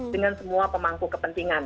dengan semua pemangku kepentingan